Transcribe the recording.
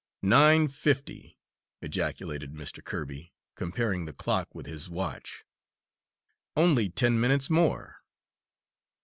"Nine fifty!" ejaculated Mr. Kirby, comparing the clock with his watch. "Only ten minutes more."